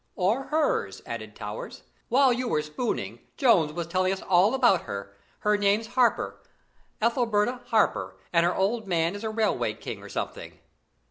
"Or hers," added Towers. "While you were spooning, Jones was telling us all about her. Her name's Harper Ethelberta Harper, and her old man is a Railway King, or something."